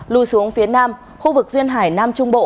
lùi xuống phía nam khu vực duyên hải nam trung bộ